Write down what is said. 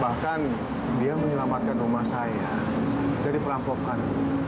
bahkan dia menyelamatkan rumah saya dari perampokan